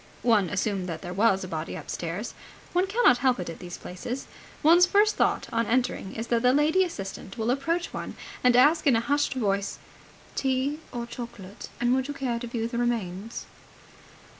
One assumed that there was a body upstairs. One cannot help it at these places. One's first thought on entering is that the lady assistant will approach one and ask in a hushed voice "Tea or chocolate? And would you care to view the remains?"